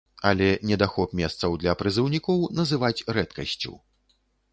Але недахоп месцаў для прызыўнікоў называць рэдкасцю.